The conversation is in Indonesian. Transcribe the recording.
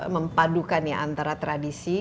mempadukan antara tradisi